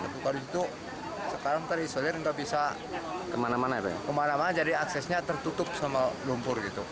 tapi kalau itu sekarang terisolir nggak bisa kemana mana jadi aksesnya tertutup sama lumpur gitu